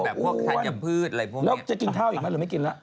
แล้วจะกินเท่าอีกมั้ยหรือไม่กินละ